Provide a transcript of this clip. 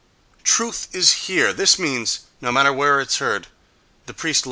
"Truth is here": this means, no matter where it is heard, the priest lies....